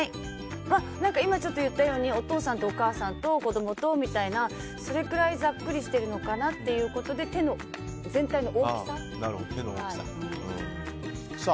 今言ったようにお父さんとお母さんと子供と、みたいなそれくらいざっくりしてるのかなということで手の全体の大きさ。